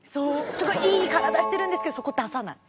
すごいいい体してるんですけどそこを出さない。